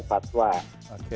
ya pak ahmad soedi